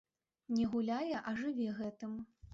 Не гуляе, а жыве гэтым.